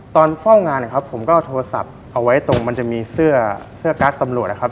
ตอนเฝ้างานผมก็เอาโทรศัพท์เอาไว้ตรงมันจะมีเสื้อการ์ดตำรวจนะครับ